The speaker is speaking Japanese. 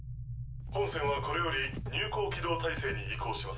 本船はこれより入港軌道態勢に移行します。